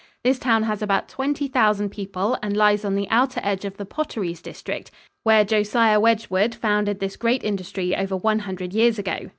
This town has about 20,000 people and lies on the outer edge of the potteries district, where Josiah Wedgewood founded this great industry over one hundred years ago.